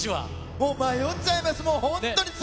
もう迷っちゃいます。